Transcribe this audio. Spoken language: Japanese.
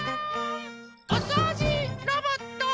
おそうじロボット！